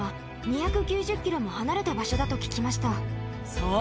そう。